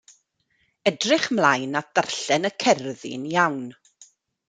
Edrych mlaen at ddarllen y cerddi'n iawn.